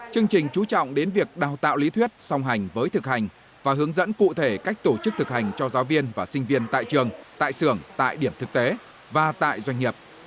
chương trình chú trọng đến việc đào tạo lý thuyết song hành với thực hành và hướng dẫn cụ thể cách tổ chức thực hành cho giáo viên và sinh viên tại trường tại xưởng tại điểm thực tế và tại doanh nghiệp